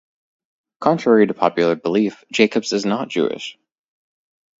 Contrary to popular belief, Jacobs is not Jewish.